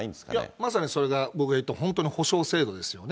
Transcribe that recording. まさにそれが僕が言う、本当に保障制度ですよね。